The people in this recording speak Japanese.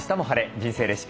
人生レシピ」。